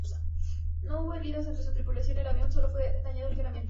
No hubo heridos entre su tripulación y el avión solo fue dañado ligeramente.